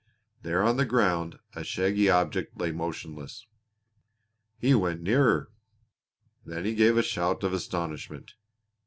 There on the ground a shaggy object lay motionless. He went nearer. Then he gave a shout of astonishment.